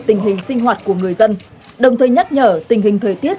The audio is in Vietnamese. tình hình sinh hoạt của người dân đồng thời nhắc nhở tình hình thời tiết